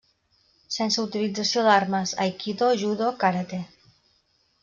Sense utilització d'armes: aikido, judo, karate.